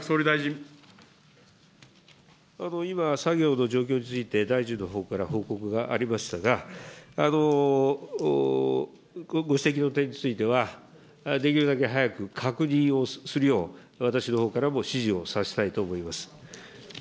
今、作業の状況について、大臣のほうから報告がありましたが、ご指摘の点については、できるだけ早く確認をするよう、私のほうからも指示をさせたいと思います。